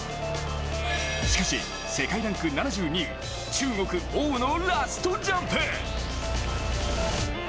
しかし、世界ランク７２位中国の王のラストジャンプ。